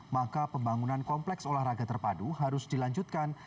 maka pembangunan kompleks olahraga terpadu harus dilanjutkan